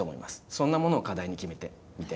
そんなものを課題に決めてみて。